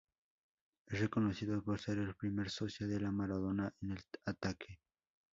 Es reconocido por ser el primer socio de Maradona en el ataque.